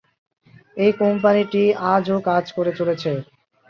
এই কোম্পানিটি আজও কাজ করে চলেছে।